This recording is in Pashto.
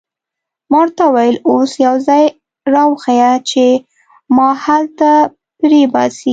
ما ورته وویل: اوس یو ځای را وښیه چې ما هلته پرېباسي.